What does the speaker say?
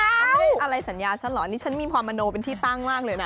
เขาไม่ได้อะไรสัญญาฉันเหรอนี่ฉันมีความมโนเป็นที่ตั้งมากเลยนะ